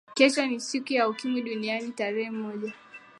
kesho ni siku ya ukimwi duniani tarehe moja